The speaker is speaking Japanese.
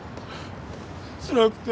つらくて。